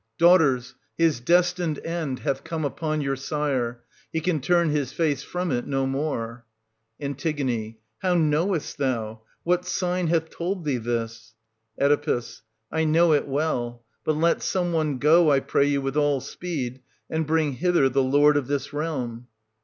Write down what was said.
Daughters, his destined end hath come upon your sire ; he can turn his face from it no more. An. How knowest thou .? What sign hath told thee this } Oe. I know it well. — But let some one go, I pray you, with all speed, and bring hither the lord of this real m.